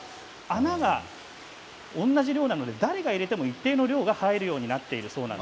穴が同じなので誰が入れても一定の量が入るようになっています。